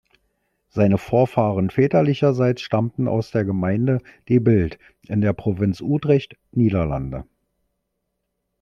Seine Vorfahren väterlicherseits stammten aus der Gemeinde De Bilt in der Provinz Utrecht, Niederlande.